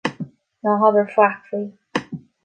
Ná habair faic faoi.